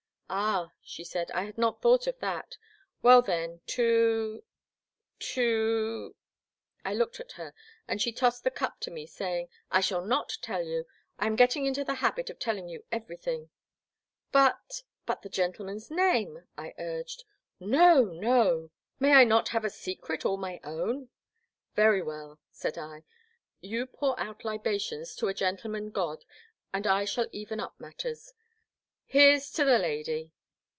" Ah, she said ; I had not thought of that. Well, then, to— to— " I looked at her and she tossed the cup to me saying, " I shall not tell you. I am getting into the habit of telling you ever3rthing. But — ^but the gentleman's name ?I urged. " No, no ! Goodness ! may I not have a secret, all my own ?*'Very well," said I, you pour out libations to a gentleman god and I shaU even up matters. Here 's to the lady